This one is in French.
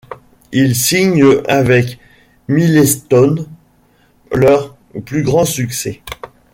Ils signent avec Milestone leur plus grands succès.